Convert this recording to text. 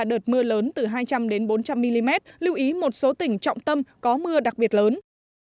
đợt mưa lớn từ hai trăm linh bốn trăm linh mm lưu ý một số tỉnh trọng tâm có mưa đặc biệt lớn